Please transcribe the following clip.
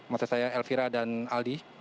maksud saya elvira dan aldi